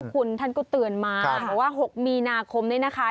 คุณท่านก็เตือนมาบอกว่า๖มีนาคมนี้นะคะ